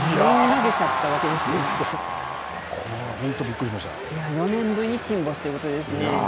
これ、４年ぶり金星ということですね。